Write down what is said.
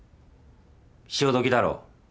潮時だろう。